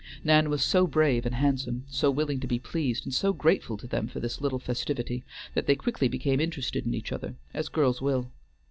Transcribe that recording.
Nan was so brave and handsome, so willing to be pleased, and so grateful to them for this little festivity, that they quickly became interested in each other, as girls will.